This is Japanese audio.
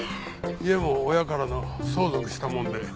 家も親からのを相続したもので。